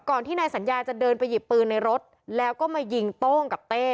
ที่นายสัญญาจะเดินไปหยิบปืนในรถแล้วก็มายิงโต้งกับเต้